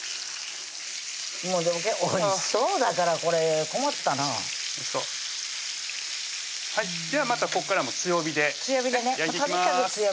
おいしそうだからこれ困ったなおいしそうではまたここからも強火で焼いていきます